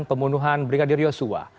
pembunuhan brigadir yosua